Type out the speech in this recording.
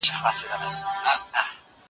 زه به اوږده موده کښېناستل وم